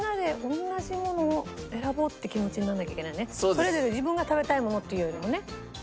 それぞれ自分が食べたいものっていうよりもね。